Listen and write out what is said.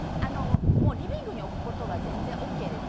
リビングに置くことは全然オーケーです。